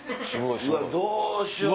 どうしよう？